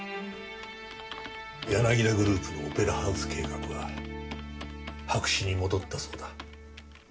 ヤナギダグループのオペラハウス計画は白紙に戻ったそうだ。